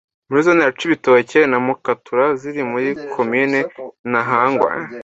muri zone ya Cibitoke na Mutakura ziri muri komine Ntahangwa